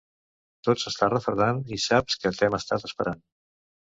Tot s'està refredant i saps que t'hem estat esperant.